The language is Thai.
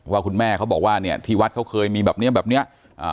ว่าคุณแม่เขาบอกว่าเนี่ยที่วัดเขาเคยมีแบบเนี้ยแบบเนี้ยอ่า